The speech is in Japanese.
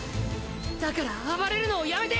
だから暴れるのをやめて。